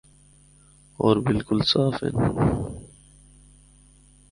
ہور بالکل صاف ہن۔